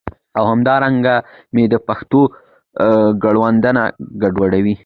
او همدا رنګه مي د پښتو ګړدودونه ګډوډي